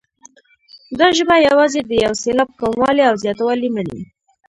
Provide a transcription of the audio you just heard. دا ژبه یوازې د یو سېلاب کموالی او زیاتوالی مني.